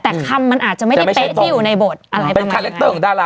แต่คำมันอาจจะไม่ได้เป๊ะอยู่ในบทอะไรประมาณนั้น